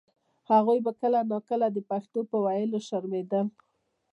هغوی به کله نا کله د پښتو پر ویلو شرمېدل.